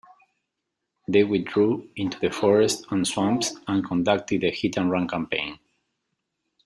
They withdrew into the forests and swamps and conducted a hit-and-run campaign.